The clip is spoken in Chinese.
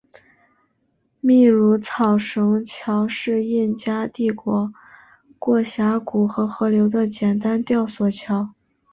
秘鲁草绳桥是印加帝国过峡谷和河流的简单吊索桥。